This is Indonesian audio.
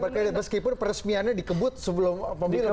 bukan dapat kredit meskipun peresmiannya dikebut sebelum pemilu